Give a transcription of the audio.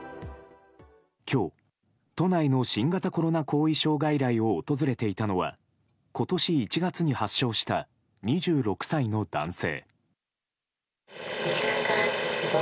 今日、都内の新型コロナ後遺症外来を訪れていたのは今年１月に発症した２６歳の男性。